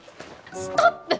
ストップ！